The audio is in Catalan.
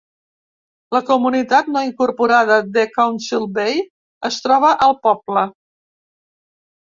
La comunitat no incorporada de Council Bay es troba al poble.